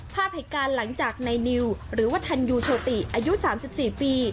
ภาพหิกการหลังจากในนิวหรือวัฒนยูโชติอายุ๓๔ปี